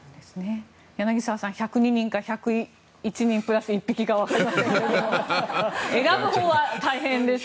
柳澤さん、１０２人か１０１人プラス１匹かわかりませんが選ぶほうは大変ですね。